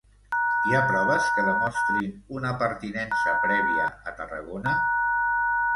Hi ha proves que demostrin una pertinença prèvia a Tarragona?